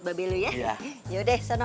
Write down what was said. babelu ya yaudah seno